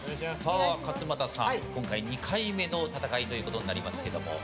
勝俣さん、今回２回目の戦いということになりますけども。